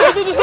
tuh tuh tuh